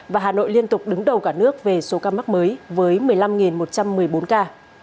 và hà nội liên tục đứng đầu cả nước về số ca mắc mới với một mươi năm một trăm một mươi bốn ca